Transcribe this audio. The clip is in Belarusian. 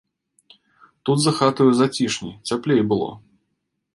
Тут за хатаю зацішней, цяплей было.